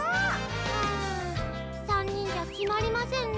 うん３にんじゃきまりませんね。